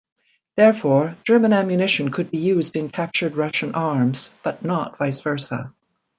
Therefore, German ammunition could be used in captured Russian arms, but not vice versa.